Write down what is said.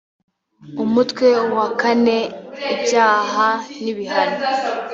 umutwe wakane ibyaha n ibihano